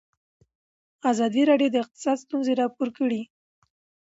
ازادي راډیو د اقتصاد ستونزې راپور کړي.